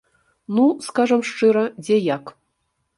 Ну, скажам шчыра, дзе як.